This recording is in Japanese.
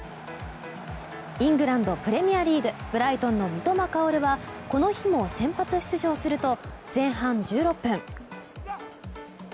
イングランド・プレミアリーグブライトンの三笘薫はこの日も先発出場すると前半１６分。